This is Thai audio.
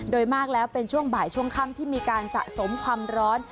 โดยมากแล้วเป็นช่วงบ่ายช่วงค่ำที่มีการสะสมความร้อน